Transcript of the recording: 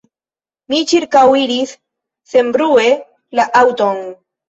Mi ĉirkaŭiris senbrue la aŭton.